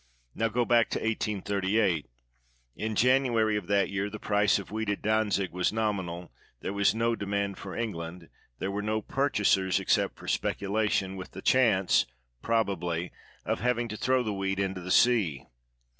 Now, go back to 1838. In January of that year the price of wheat at Dantzic was nominal ; there was no demand for England; there were no purchasers except for speculation, with the chance, probably, of having to throw the wheat into the sea.